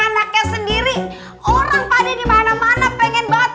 anaknya sendiri orang panik dimana mana pengen banget